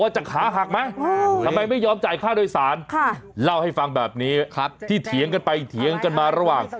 จะขาหักไหมทำไมไม่ยอมจ่ายค่าโดยสารเล่าให้ฟังแบบนี้ที่เถียงกันไปเถียงกันมาระหว่าง